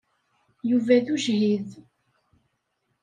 Yuba d ujhid.